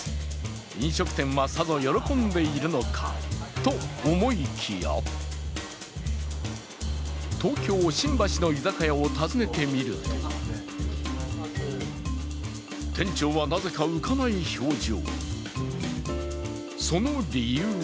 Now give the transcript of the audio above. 飲食店はさぞ喜んでいるのかと思いきや東京・新橋の居酒屋を訪ねてみると店長はなぜか浮かない表情。